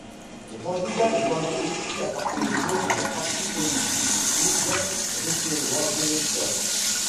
Les candidats doivent aussi appartenir à un parti politique ou bien recevoir d'électeurs.